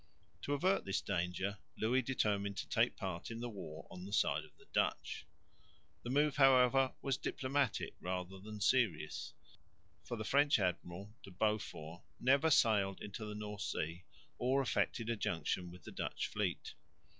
To avert this danger Louis determined to take part in the war on the side of the Dutch. The move however was diplomatic rather than serious, for the French admiral, de Beaufort, never sailed into the North Sea or effected a junction with the Dutch fleet.